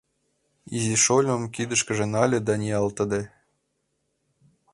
Изи шольым кидышкыже нале да ниялтыде.